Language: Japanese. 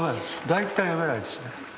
大体読めないですね。